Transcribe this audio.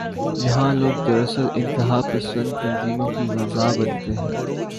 یہی لوگ دراصل انتہا پسند تنظیموں کی غذا بنتے ہیں۔